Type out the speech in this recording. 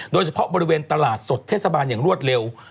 โดยเฉพาะบริเวณตลาดสดเทศบาลอย่างรวดเร็ว